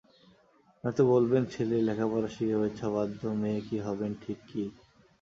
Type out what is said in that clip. নয়তো বলবেন, ছেলে লেখাপড়া শিখে হয়েছে অবাধ্য, মেয়ে কী হবেন ঠিক কী?